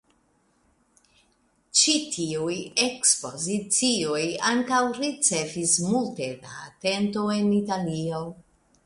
Ĉi tiuj ekspozicioj ankaŭ ricevis multe da atento en Italio.